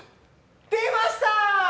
出ました！